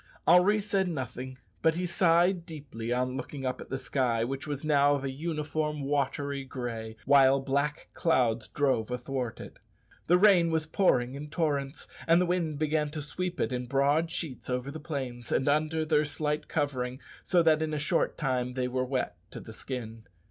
Henri said nothing, but he sighed deeply on looking up at the sky, which was now of a uniform watery gray, while black clouds drove athwart it. The rain was pouring in torrents, and the wind began to sweep it in broad sheets over the plains, and under their slight covering, so that in a short time they were wet to the skin.